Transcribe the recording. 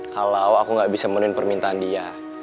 kalau aku gak bisa menuhin permintaan dia